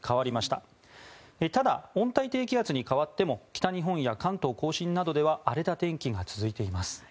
ただ、温帯低気圧に変わっても北日本や関東・甲信などでは荒れた天気が続いています。